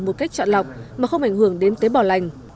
một cách chọn lọc mà không ảnh hưởng đến tế bào lành